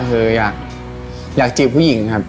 เธออยากอยากจีบผู้หญิงครับ